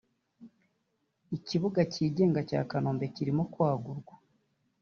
ikibuga cy’ingege cya Kanombe kirimo kwagurwa